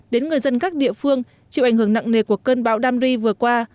đến người dân các địa phương chịu ảnh hưởng nặng nề của cơn bão damri vừa qua